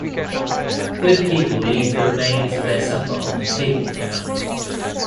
Good people leave the remains of their supper on the table for her.